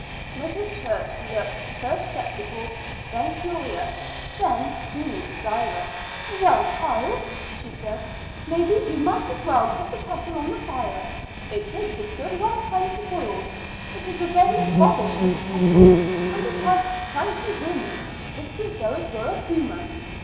Mrs. Church looked first skeptical, then curious, then keenly desirous. "Well, child?" she said. "Maybe you might as well put the kettle on the fire; it takes a good long time to boil. It's a very bobbish little kettle, and it has cranky whims just as though it were a human.